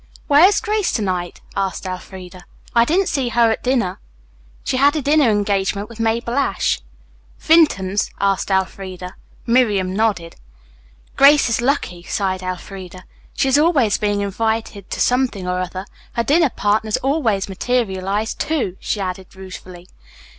"Where is Grace to night?" asked Elfreda. "I didn't see her at dinner." "She had a dinner engagement with Mabel Ashe." "Vinton's?" asked Elfreda. Miriam nodded. "Grace is lucky," sighed Elfreda. "She is always being invited to something or other. Her dinner partners always materialize, too," she added ruefully.